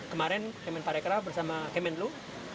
kemarin kemenparekraf bersama kemenlu